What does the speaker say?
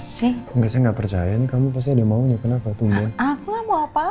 dipijit apa sih nggak percaya kamu pasti mau kenapa aku mau apa apa